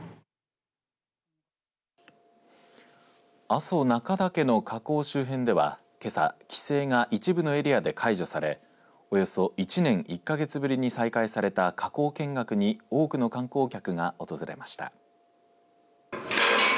阿蘇中岳の火口周辺ではけさ、規制が一部のエリアで解除されおよそ１年１か月ぶりに再開された火口見学に多くの観光客が訪れました。